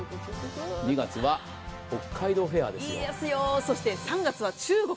２月は北海道フェアです。